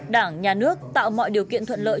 đảng nhà nước tạo mọi điều kiện thuận lợi